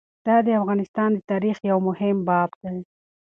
دا د افغانستان د تاریخ یو مهم باب دی.